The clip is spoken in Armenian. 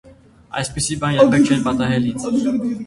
Այսպիսի բան երբեք չէր պատահել ինձ: